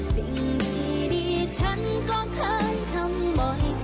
สิ่งดีฉันก็เคยทำบ่อย